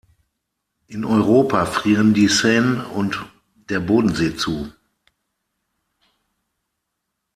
In Europa frieren die Seine und der Bodensee zu.